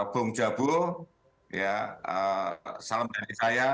bung jabul salam dari saya